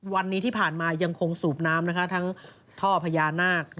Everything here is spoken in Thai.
วันนี้ที่ผ่านมายังคงสูบน้ำทั้งท่อพญานาค